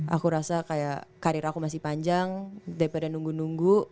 aku rasa kayak karir aku masih panjang daripada nunggu nunggu